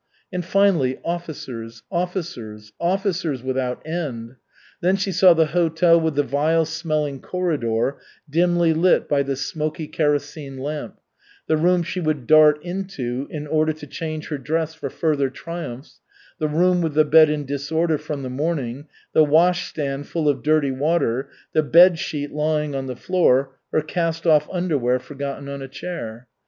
And finally officers, officers, officers without end. Then she saw the hotel with the vile smelling corridor, dimly lit by the smoky kerosene lamp; the room she would dart into in order to change her dress for further triumphs, the room with the bed in disorder from the morning; the wash stand full of dirty water, the bed sheet lying on the floor, her cast off underwear forgotten on a chair.